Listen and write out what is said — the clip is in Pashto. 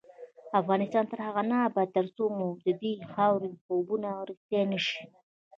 افغانستان تر هغو نه ابادیږي، ترڅو مو ددې خاورې خوبونه رښتیا نشي.